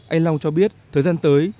anh long cho biết thời gian tới